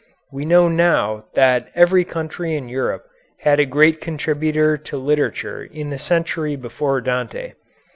We know now that every country in Europe had a great contributor to literature in the century before Dante.